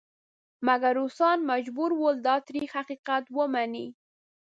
مګر روسان مجبور ول دا تریخ حقیقت ومني.